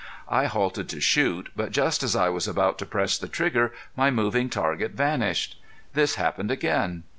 I halted to shoot, but just as I was about to press the trigger, my moving target vanished. This happened again.